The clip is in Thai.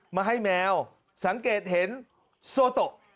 มาให้แมวสังเกตเห็นโซโต